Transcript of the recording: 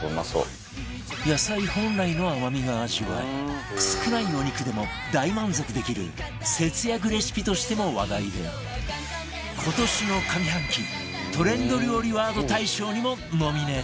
野菜本来の甘みが味わえ少ないお肉でも大満足できる節約レシピとしても話題で今年の上半期トレンド料理ワード大賞にもノミネート